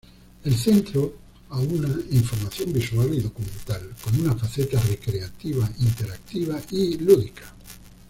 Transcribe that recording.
El centro aúna información visual y documental con una faceta recreativa, interactiva y lúdica.